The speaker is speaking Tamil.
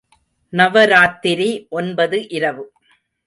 நவராத்திரி ஒன்பது இரவு.